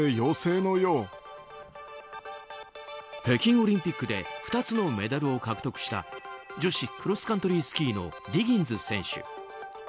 北京オリンピックで２つのメダルを獲得した女子クロスカントリースキーのディギンズ選手。